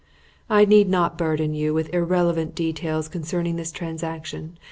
I need not burden you with irrelevant details concerning this transaction.